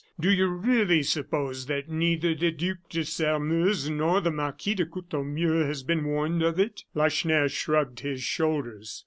Do you really suppose that neither the Duc de Sairmeuse nor the Marquis de Courtornieu has been warned of it?" Lacheneur shrugged his shoulders.